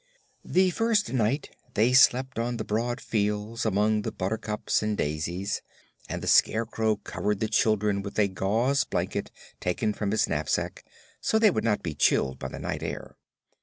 The first night they slept on the broad fields, among the buttercups and daisies, and the Scarecrow covered the children with a gauze blanket taken from his knapsack, so they would not be chilled by the night air.